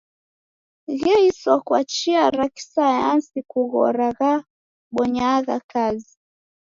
Gheiswa kwa chia ra kisayansi kughora ghabonyagha kazi.